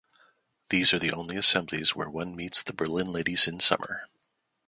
These are the only assemblies where one meets the Berlin ladies in summer.